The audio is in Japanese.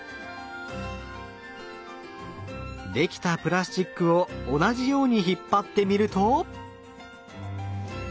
出来たプラスチックを同じように引っ張ってみると。